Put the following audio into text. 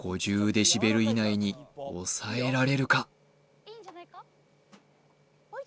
デシベル以内に抑えられるか？